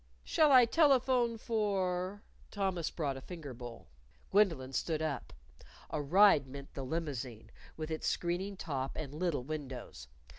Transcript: "Shall I telephone for ?" Thomas brought a finger bowl. Gwendolyn stood up. A ride meant the limousine, with its screening top and little windows.